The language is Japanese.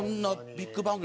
「ビッグ番組」。